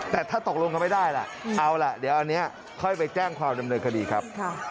แต่ถ้าตกลงกันไม่ได้ล่ะเอาล่ะเดี๋ยวอันนี้ค่อยไปแจ้งความดำเนินคดีครับ